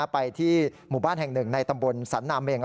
ไปที่หมู่บ้านแห่งหนึ่งในตำบลสันนาเมง